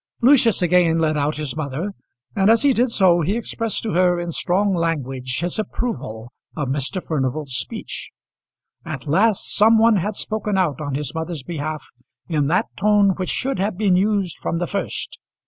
Lucius again led out his mother, and as he did so he expressed to her in strong language his approval of Mr. Furnival's speech. At last some one had spoken out on his mother's behalf in that tone which should have been used from the first.